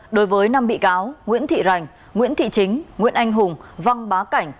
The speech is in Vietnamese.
đối với năm bị cáo nguyễn thị rành nguyễn thị chính nguyễn anh hùng văn bá cảnh